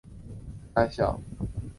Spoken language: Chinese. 该所的校友供职于世界各地的大学。